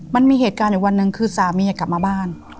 มันมีเหตุการณ์อยู่วันหนึ่งคือสามีอยากกลับมาบ้าน